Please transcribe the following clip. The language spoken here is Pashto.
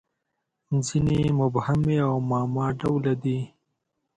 • ځینې یې مبهمې او معما ډوله دي.